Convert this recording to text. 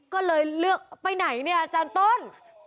ก็เลยเลือกไปไหนเนี่ยอาจารย์ต้น